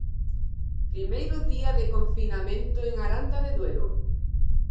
Primeiro día de confinamento en Aranda de Duero.